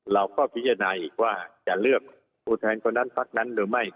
เราก็พิจารณาอีกว่าจะเลือกผู้แทนคนนั้นพักนั้นหรือไม่